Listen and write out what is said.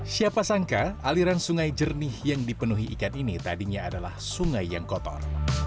siapa sangka aliran sungai jernih yang dipenuhi ikan ini tadinya adalah sungai yang kotor